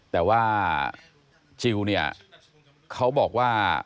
แต่ว่าจิลเนี่ยเขาบอกว่า